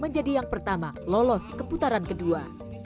jadi yang pertama lolos ke putaran kedua